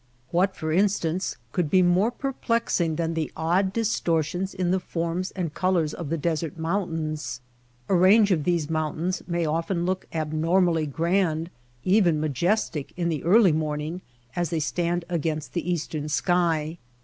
What, for instance, could be more perplexing than the odd distortions in the forms and col ors of the desert mountains ! A range of these mountains may often look abnormally grand, even majestic in the early morning as they stand against the eastern sky.